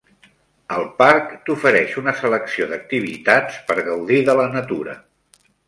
El Parc t'ofereix una selecció d'activitats per gaudir de la natura.